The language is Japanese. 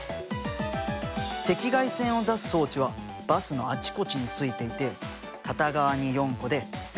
赤外線を出す装置はバスのあちこちについていて片側に４個で全部で８個。